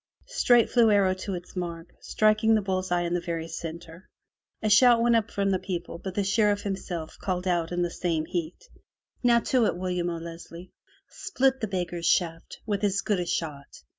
Straight flew J^^^^S ^^^ arrow to its mark, striking the bull's eye in Wf^^^ the very centre. A shout went up from the people, ^m^^jj but the Sheriff himself called out in some heat: ^f'^'^^^ *'Now to it, William O'Leslie. Split the beg ^^wPvH gar's shaft with as good a shot.